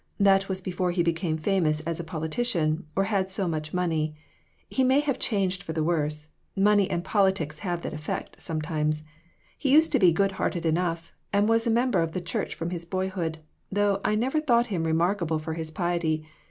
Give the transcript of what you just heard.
That was before he became famous as a politician, or had so much money. He may have changed for the worse ; money and politics have that effect, sometimes. He used to be good hearted enough, and was a member of the church from his boyhood, though I never thought him remarkable for his piety.